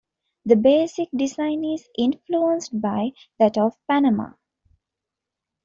The basic design is influenced by that of Panama.